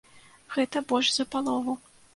Гэта больш за палову.